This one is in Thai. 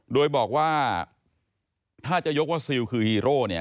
โดยบอกว่าถ้าจะยกว่าซิลคือฮีโร่เนี่ย